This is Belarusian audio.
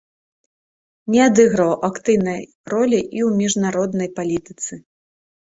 Не адыгрываў актыўнай ролі і ў міжнароднай палітыцы.